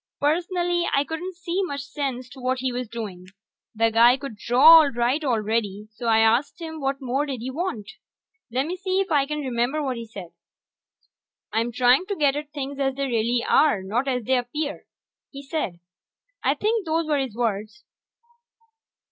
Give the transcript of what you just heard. Personally, I couldn't see much sense to what he was doing. The guy could draw all right already, so I asked him what more did he want? Lemme see if I can remember what he said. "I'm trying to get at things as they really are, not as they appear," he said. I think those were his words.